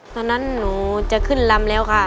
ตอนนั้นหนูจะขึ้นลำแล้วค่ะ